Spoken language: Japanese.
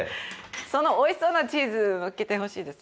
そのおいしそうなチーズのっけてほしいです。